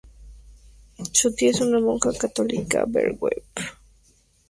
Su tía es una monja católica ver web.